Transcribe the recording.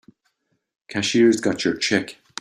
Cashier's got your check.